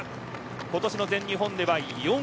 今年の全日本では４位。